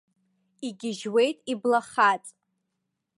Игьежьуеит иблахаҵ.